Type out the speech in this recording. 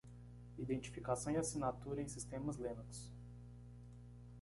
Identificação e assinatura em sistemas Linux.